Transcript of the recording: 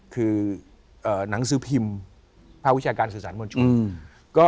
คือหนังสือพิมพ์ภาควิชาการสื่อสารมวลชน